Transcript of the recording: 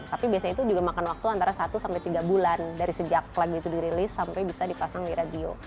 tapi biasanya itu juga makan waktu antara satu sampai tiga bulan dari sejak lagu itu dirilis sampai bisa dipasang di radio